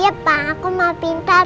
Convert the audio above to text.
iya pak aku mah pintar